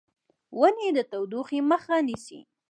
ونې د تودوخې مخه نیسي.